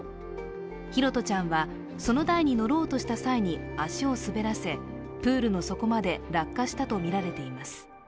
拓杜ちゃんはその台を乗ろうとした際に足を滑らせ、プールの底まで落下したとみられています。